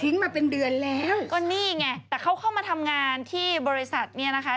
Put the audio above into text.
มาเป็นเดือนแล้วก็นี่ไงแต่เขาเข้ามาทำงานที่บริษัทเนี่ยนะคะ